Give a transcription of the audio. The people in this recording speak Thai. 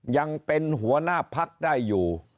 ยังเป็นหัวหน้าพักได้อยู่